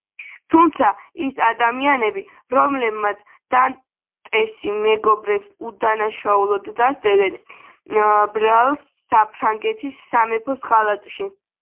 თუმცა ის ადამიანები, რომელთანაც დანტესი მეგობრობს უდანაშაულოდ დასდებენ ბრალს საფრანგეთის სამეფოს ღალატში.